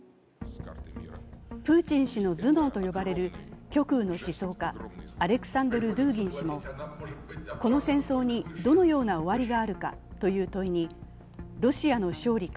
プーチン氏の頭脳と呼ばれる極右の思想家、アレクサンドル・ドゥーギン氏もこの戦争にどのような終わりがあるかという問いにロシアの勝利か